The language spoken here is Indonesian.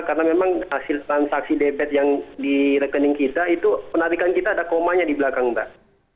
karena memang hasil transaksi debit yang direkening kita itu penarikan kita ada komanya di belakang mbak